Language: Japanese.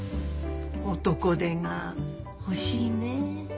男手が欲しいねえ。